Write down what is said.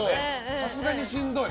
さすがにしんどい。